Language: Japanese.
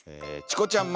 「チコちゃん